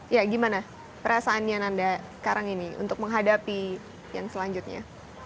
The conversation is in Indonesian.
ya gimana perasaannya nanda sekarang ini untuk menghadapi yang selanjutnya